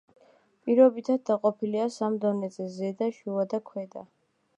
პირობითად დაყოფილია სამ დონეზე: ზედა, შუა და ქვედა.